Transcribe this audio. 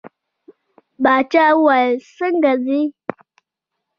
باچا وویل څنګه ځې.